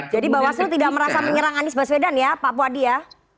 jadi bawaslu tidak merasa menyerang anies baswedan ya pak wadi ya